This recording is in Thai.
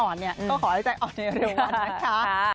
ก็ขอให้ใจอ่อนในเร็ววันนะคะ